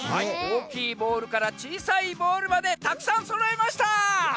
おおきいボールからちいさいボールまでたくさんそろえました！